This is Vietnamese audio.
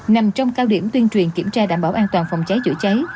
nằm trong cao điểm tuyên truyền kiểm tra đảm bảo an toàn phòng cháy chữa cháy